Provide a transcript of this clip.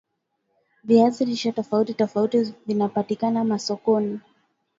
viazi lishe tofauti tofauti vinapatikana masokoni